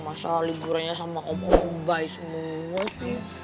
masa liburannya sama om buy semua sih